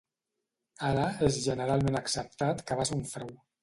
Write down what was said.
Ara, és generalment acceptat que va ser un frau.